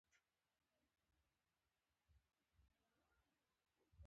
دا پیسې په خپله لومړنۍ اندازه نه وي